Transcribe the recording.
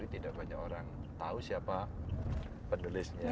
tidak banyak orang tahu siapa penulisnya